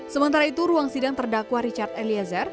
sementara itu ruang sidang terdakwa richard eliezer